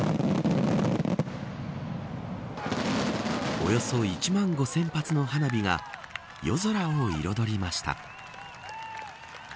およそ１万５０００発の花火が夜空を彩りました。